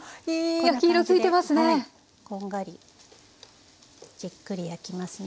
こんな感じでこんがりじっくり焼きますね。